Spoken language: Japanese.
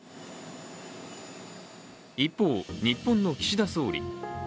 一方、日本の岸田総理。